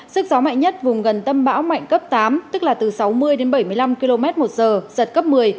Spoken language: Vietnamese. sức gió mạnh nhất vùng gần tâm bão mạnh cấp tám tức là từ sáu mươi đến bảy mươi năm km một giờ giật cấp một mươi